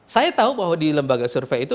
saya tahu bahwa di lembaga survei itu